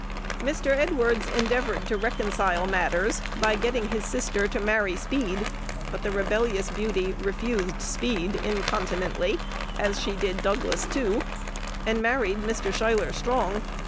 Mr. Edwards endeavored to reconcile matters by getting his sister to marry Speed; but the rebellious beauty refused Speed incontinently (as she did Douglas too), and married Mr. Schuyler Strong.